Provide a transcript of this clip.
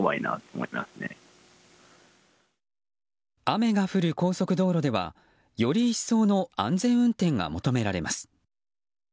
雨が降る高速道路ではより一層の安全運転が求められます。